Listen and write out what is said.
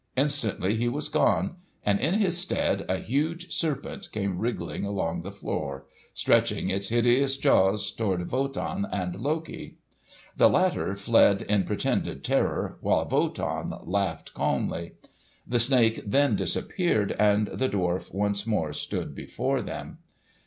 Instantly he was gone, and in his stead a huge serpent came wriggling along the floor, stretching its hideous jaws toward Wotan and Loki. The latter fled in pretended terror, while Wotan laughed calmly. The snake then disappeared, and the dwarf once more stood before them.